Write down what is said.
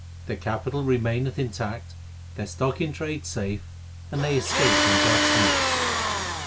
Their capital remaineth intact, their stock in trade safe, and they escape from Death s noose.